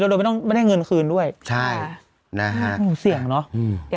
โดยไม่ต้องไม่ได้เงินคืนด้วยใช่นะฮะหนูเสี่ยงเนอะ